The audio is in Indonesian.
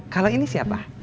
kalau ini siapa